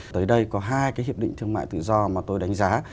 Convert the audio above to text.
tới đây có hai cái hiệp định thương mại tự do mà tôi đánh giá